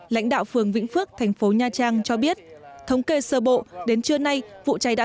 lãnh đạo phường vĩnh phước thành phố nha trang cho biết thống kê sơ bộ đến trưa nay vụ cháy đã